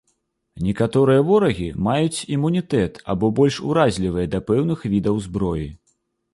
Некаторыя ворагі маюць імунітэт або больш уразлівыя да пэўных відаў зброі.